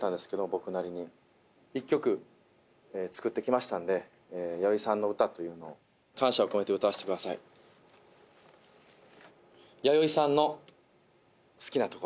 僕なりに１曲作ってきましたんで弥生さんの歌というのを感謝を込めて歌わせてください「弥生さんの好きな所」